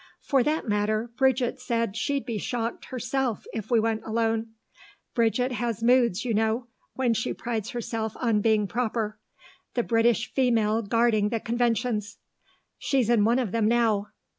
For that matter, Bridget said she'd be shocked herself if we went alone. Bridget has moods, you know, when she prides herself on being proper the British female guarding the conventions. She's in one of them now....